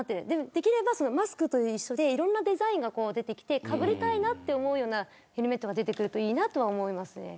できればマスクと一緒でいろんなデザインが出てきてかぶりたいと思うようなヘルメットが出てくるといいと思います。